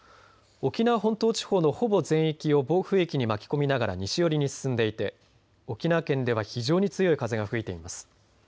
沖縄本島地方のほぼ全域を暴風域に巻き込みながら西寄りに進んでいて沖縄県では非常に強い風が吹いています。